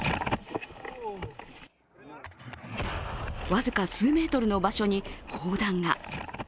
僅か数メートルの場所に砲弾が。